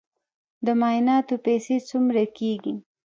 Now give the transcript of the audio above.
د معایناتو پیسې څومره کیږي؟